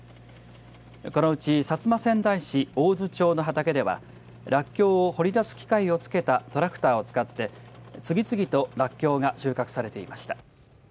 このうち薩摩川内市網津町の畑ではらっきょうを掘り出す機械を付けたトラクターを使って次々とらっきょうが収穫されていました。